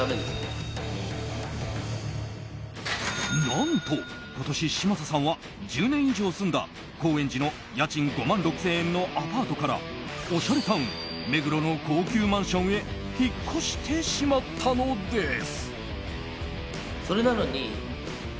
何と、今年嶋佐さんは１０年以上住んだ高円寺の家賃５万６０００円のアパートからおしゃれタウン目黒の高級マンションへ引っ越してしまったのです。